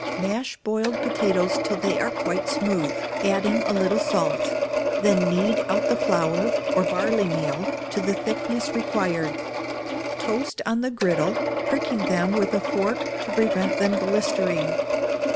Mash boiled potatoes till they are quite smooth, adding a little salt; then knead out the flour, or barley meal, to the thickness required; toast on the girdle, pricking them with a fork to prevent them blistering.